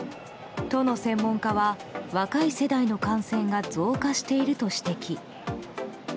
都の専門家は若い世代の感染が増加していると指摘。